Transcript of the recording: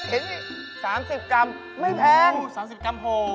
เห็นไหม๓๐กรัมไม่แพงโอ้โฮ๓๐กรัมโห